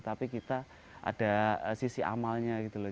tapi kita ada sisi amalnya gitu loh